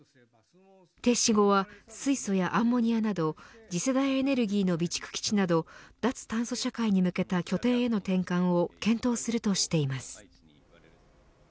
停止後は水素やアンモニアなど次世代エネルギーの備蓄基地など脱炭素社会に向けた拠点への転換を検討するとしています。